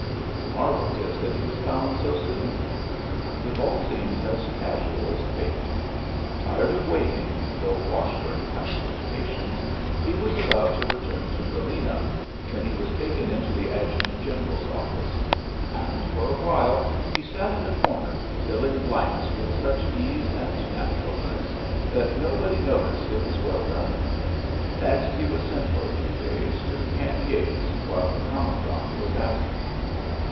The marvel is that he was found so soon. It all seems as casual as fate. Tired of waiting, though Washbume counselled patience, he was about to return to Gtolena^ when he was taken into the a^'ntant general'sof&ce; and for a while he sat in a comer, filling blanks with such ease and naturalness that nobody noticed it was well done. Next he was sent for a few days to Gamp Yates while the commandant was absent.